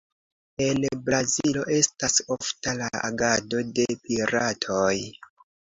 En Brazilo estas ofta la agado de piratoj.